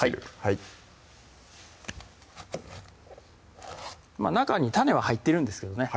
はい中に種は入っているんですけどね